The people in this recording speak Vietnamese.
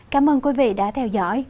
cảm ơn quý vị đã theo dõi